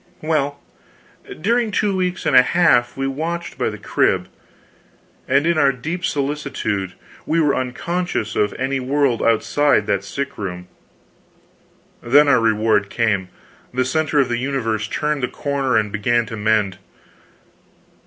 Well, during two weeks and a half we watched by the crib, and in our deep solicitude we were unconscious of any world outside of that sick room. Then our reward came: the center of the universe turned the corner and began to mend.